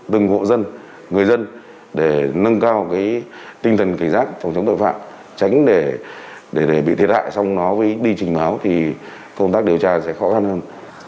từng hộ dân người dân để nâng cao tinh thần cảnh giác phòng chống tội phạm tránh để bị thiệt hại xong nó mới đi trình báo thì công tác điều tra sẽ khó khăn hơn